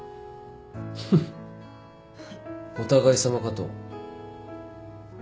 フフッお互いさまかと。